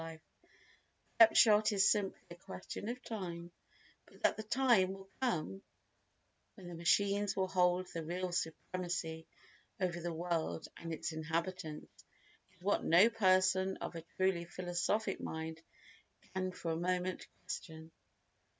The upshot is simply a question of time, but that the time will come when the machines will hold the real supremacy over the world and its inhabitants is what no person of a truly philosophic mind can for a moment question.